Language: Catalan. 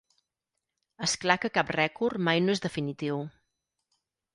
És clar que cap rècord mai no és definitiu.